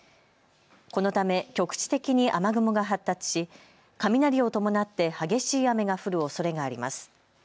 このため局地的に雨雲が発達し雷を伴って激しい雨が降るおそれがあります。